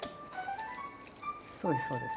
そうですそうです。